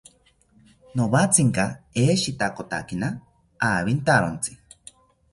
Nowatzinka eshitakotakina awintawontzi